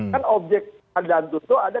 kan objek keperadilan itu ada